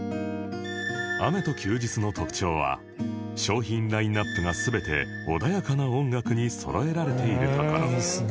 雨と休日の特徴は商品ラインアップが全て穏やかな音楽にそろえられているところ